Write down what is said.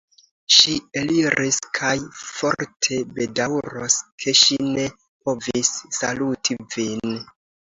Ŝi eliris kaj forte bedaŭros, ke ŝi ne povis saluti vin.